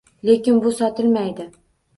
Lekin bu sotilmaydi.